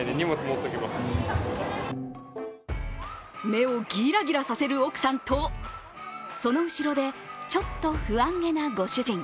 目をギラギラさせる奥さんとその後ろでちょっと不安げなご主人。